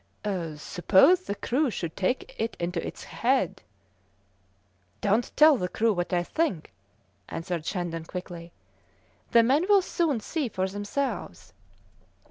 "Suppose the crew should take it into its head " "Don't tell the crew what I think," answered Shandon quickly; "the men will soon see for themselves.